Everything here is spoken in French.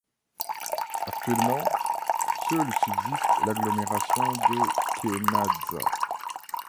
Actuellement, seule subsiste l'agglomération de Kenadsa.